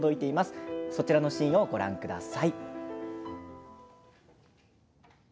ではそのシーンをご覧ください。